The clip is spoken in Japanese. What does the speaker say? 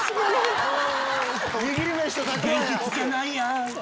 元気つけないや。